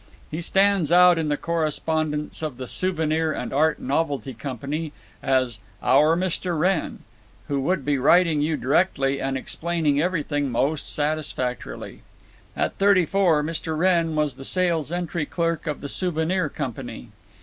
He stands out in the correspondence of the Souvenir and Art Novelty Company as "Our Mr. Wrenn," who would be writing you directly and explaining everything most satisfactorily. At thirty four Mr. Wrenn was the sales entry clerk of the Souvenir Company.